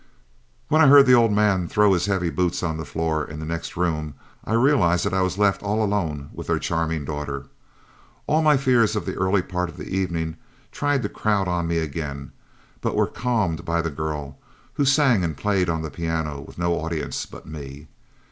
"When I heard the old man throw his heavy boots on the floor in the next room, I realized that I was left all alone with their charming daughter. All my fears of the early part of the evening tried to crowd on me again, but were calmed by the girl, who sang and played on the piano with no audience but me.